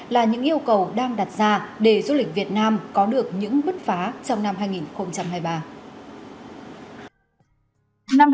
là những yêu cầu đang đặt ra để du lịch việt nam có được những bứt phá trong năm hai nghìn hai mươi ba